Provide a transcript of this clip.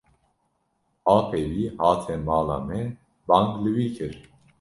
Apê wî hate mala me bang li wî kir.